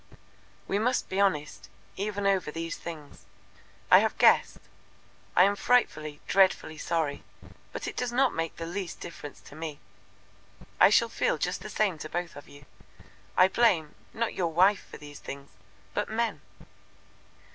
"We must be honest, even over these things. I have guessed. I am frightfully, dreadfully sorry, but it does not make the least difference to me. I shall feel just the same to both of you. I blame, not your wife for these things, but men."